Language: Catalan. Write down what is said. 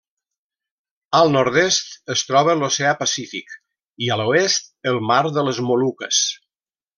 Al nord-est es troba l’oceà Pacífic i a l'oest el mar de les Moluques.